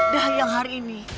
dah yang hari ini